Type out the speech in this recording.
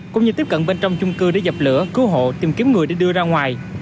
cũng như tiếp cận bên trong chung cư để dập lửa cứu hộ tìm kiếm người để đưa ra ngoài